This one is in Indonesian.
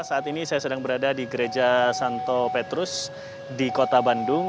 saat ini saya sedang berada di gereja santo petrus di kota bandung